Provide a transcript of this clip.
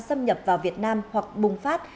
xâm nhập vào việt nam hoặc bùng phát